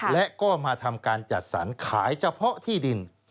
และก็มาทำการจัดสรรขายเฉพาะที่ดิน